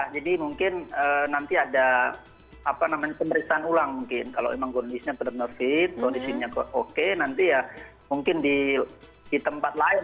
jadi mungkin nanti ada pemeriksaan ulang mungkin kalau emang kondisinya benar benar fit kondisinya oke nanti ya mungkin di tempat lain